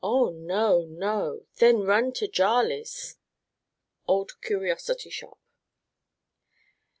Oh, no, no! Then run to Jarley's _Old Curiosity Shop.